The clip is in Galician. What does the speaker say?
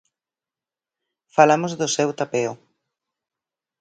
Falamos do seu tapeo.